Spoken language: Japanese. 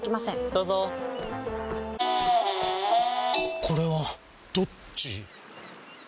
どうぞこれはどっち？